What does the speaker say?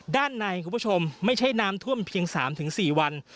ด้านในคุณผู้ชมไม่ใช่น้ำท่วมเพียง๓๔วัน